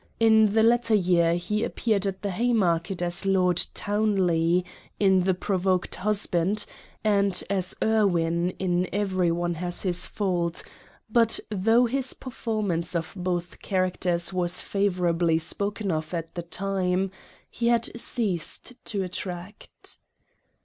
In the latter year he appeared at the Haymarket as Lord Townley in the Provoked Husband, and as Irwin in Every One has His Fault ; but though his performance of both characters was favorably spoken of at the time, he had ceased to attract.